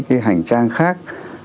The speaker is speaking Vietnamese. cái hành trang khác